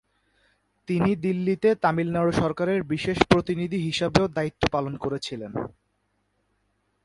তিনি দিল্লিতে তামিলনাড়ু সরকারের বিশেষ প্রতিনিধি হিসাবেও দায়িত্ব পালন করেছিলেন।